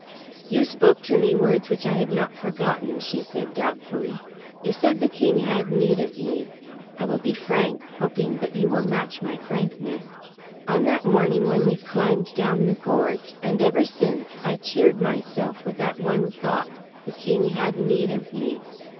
"You spoke to me words which I have not forgotten," she said doubtfully. "You said the King had need of me. I will be frank, hoping that you will match my frankness. On that morning when we climbed down the gorge, and ever since I cheered myself with that one thought. The King had need of me."